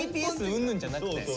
うんぬんじゃなくて。